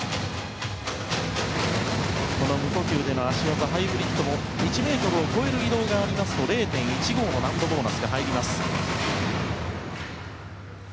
この無呼吸での脚技ハイブリッドも１ｍを超える移動がありますと０．１５難度ボーナスが入ります。